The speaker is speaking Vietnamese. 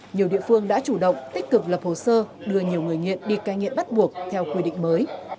nhiều địa phương đã chủ động tích cực lập hồ sơ đưa nhiều người nghiện đi cai nghiện bắt buộc theo quy định mới